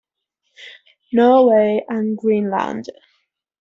Norway and Greenland.